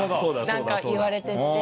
何か言われてて。